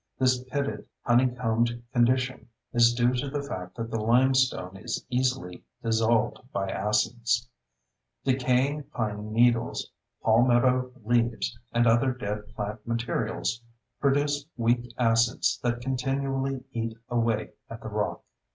This pitted, honeycombed condition is due to the fact that the limestone is easily dissolved by acids. Decaying pine needles, palmetto leaves, and other dead plant materials produce weak acids that continually eat away at the rock.